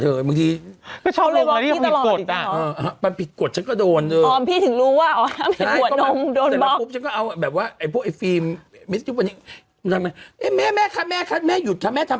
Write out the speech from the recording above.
ถึงติ๊กต๊อกอย่างนี้แหละว่าว่าพูดอยู่ที่เด้อ